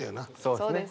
そうです。